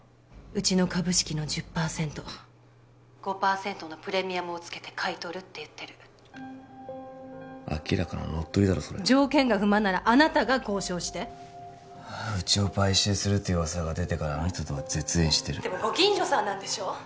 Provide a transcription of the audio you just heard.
うちの株式の１０％５％のプレミアムをつけて買い取るって言ってる明らかな乗っ取りだろそれ条件が不満ならあなたが交渉してうちを買収するっていう噂が出てからあの人とは絶縁してるでもご近所さんなんでしょ？